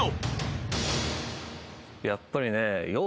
やっぱりね。